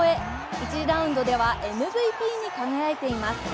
１次ラウンドではＭＶＰに輝いています。